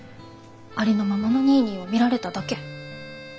ありのままのニーニーを見られただけ。